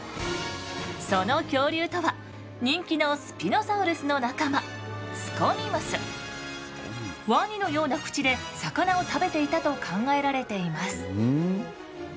その恐竜とは人気のスピノサウルスの仲間ワニのような口で魚を食べていたと考えられています。